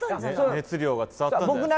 熱量が伝わったんじゃないですか？